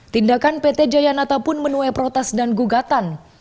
tindakan pt jayanata pun menuai protes dan gugatan